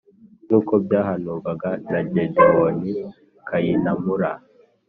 nkuko byahanurwaga na gedewoni kayinamura